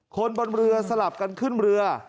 คนบนเรือสลับกันขึ้นเรือ